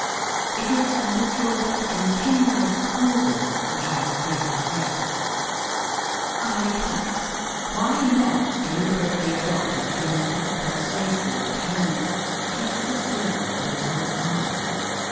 It is the little but continuous causes that have great effects. I repeat: Why not deliberately adopt a gentle, persuasive tone just to see what the results are?